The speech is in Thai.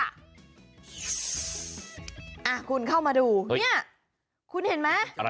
อ่ะคุณเข้ามาดูเนี่ยคุณเห็นไหมอะไร